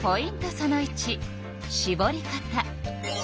その１しぼり方。